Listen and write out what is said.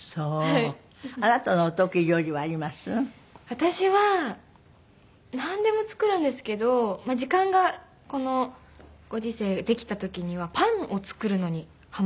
私はなんでも作るんですけど時間がこのご時世できた時にはパンを作るのにハマってました。